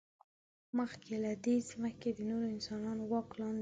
مخکې له دې، ځمکې د نورو انسانانو واک لاندې وې.